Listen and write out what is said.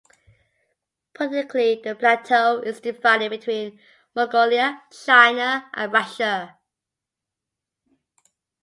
Politically, the plateau is divided between Mongolia, China and Russia.